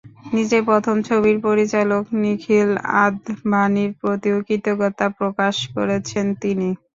নিজের প্রথম ছবির পরিচালক নিখিল আদভানির প্রতিও কৃতজ্ঞতা প্রকাশ করেছেন তিনি।